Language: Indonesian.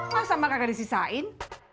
masa mak gak disisain